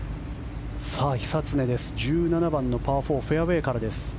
久常です、１７番、パー４フェアウェーからです。